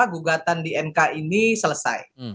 gugatan di mk ini selesai